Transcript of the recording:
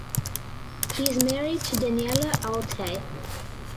He is married to Daniella Altay.